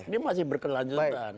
ini masih berkelanjutan